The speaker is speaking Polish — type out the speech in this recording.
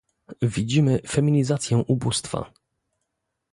Widzimy feminizację ubóstwa